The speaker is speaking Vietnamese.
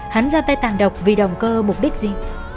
hắn ra tay tàn độc vì động cơ mục đích gì